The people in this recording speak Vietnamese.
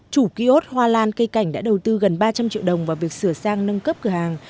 chủ ký ốt hoa lan cây cảnh đã đầu tư gần ba trăm linh triệu đồng vào việc sửa sang nâng cấp cửa hàng